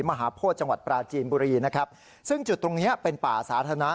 มหาโพธิจังหวัดปราจีนบุรีนะครับซึ่งจุดตรงเนี้ยเป็นป่าสาธารณะ